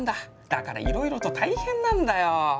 だからいろいろと大変なんだよ。